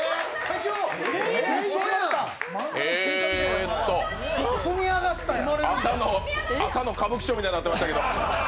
えーっと朝の歌舞伎町みたいになってましたけど。